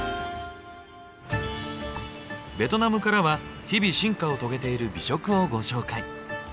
ベトナムからは日々進化を遂げている美食をご紹介。